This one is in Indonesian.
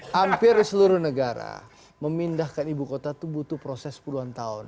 hampir seluruh negara memindahkan ibu kota itu butuh proses puluhan tahun